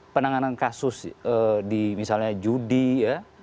penanganan kasus di misalnya judi ya